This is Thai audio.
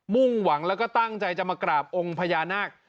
มุ่งหวังแล้วก็ตั้งใจจะมากราบองค์พญานาค